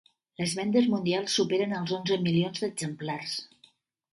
Les vendes mundials superen els onze milions d'exemplars.